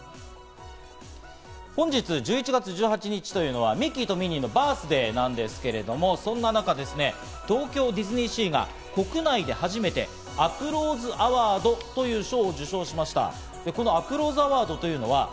本日１１月１８日というのはミッキーとミニーのバースデーなんですけれども、そんな中、東京ディズニーシーが国内で初めてアプローズ・アワードという賞を受賞しました。